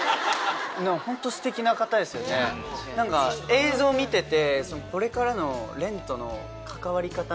映像見てて。